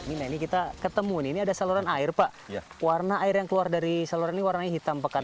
ini kita ketemu saluran air pak warna air yang keluar dari saluran ini warna hitam pekat